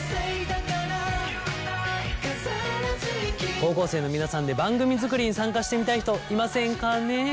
高校生の皆さんで番組作りに参加してみたい人いませんかね。